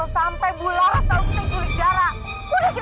dari dulu kamu ini